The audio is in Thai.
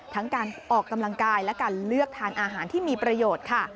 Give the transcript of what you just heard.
ทั้งการออกกำลังกายและการเลือกทานอาหารที่มีประโยชน์ค่ะ